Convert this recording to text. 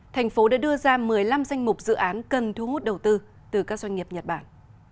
thành phố đã đưa ra một mươi năm danh mục dự án cần thu hút đầu tư từ các doanh nghiệp nhật bản